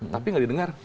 tapi nggak didengar